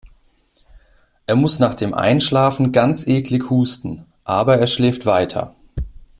Er muss nach dem Einschlafen ganz eklig husten, aber er schläft weiter.